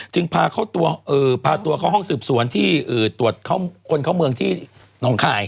พาตัวเข้าห้องสืบสวนที่ตรวจคนเข้าเมืองที่หนองคาย